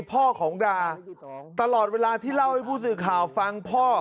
พ่อของดาตลอดเวลาที่เล่าให้ผู้สื่อข่าวฟังพ่อ